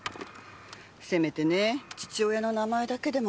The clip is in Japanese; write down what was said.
せめてね父親の名前だけでもわかれば